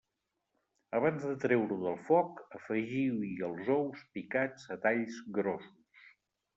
Abans de treure-ho del foc, afegiu-hi els ous picats a talls grossos.